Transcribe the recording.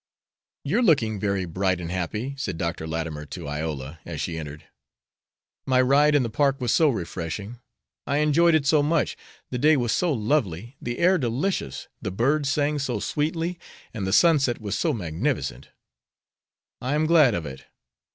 "You're looking very bright and happy," said Dr. Latimer to Iola, as she entered. "My ride in the park was so refreshing! I enjoyed it so much! The day was so lovely, the air delicious, the birds sang so sweetly, and the sunset was so magnificent." "I am glad of it.